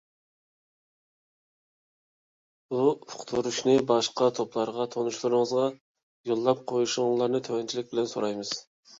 بۇ ئۇقتۇرۇشنى باشقا توپلارغا، تونۇشلىرىڭلارغا يوللاپ قويۇشۇڭلارنى تۆۋەنچىلىك بىلەن سورايمىز.